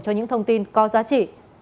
cho những thông tin có giá trị